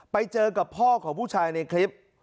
ไปเจอกับพ่อของผู้ชายในคลิป